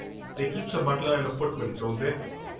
They keeps a butler and a footman, don't they?